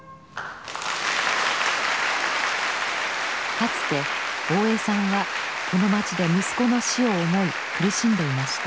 かつて大江さんはこの町で息子の死を思い苦しんでいました。